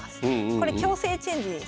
これ強制チェンジです。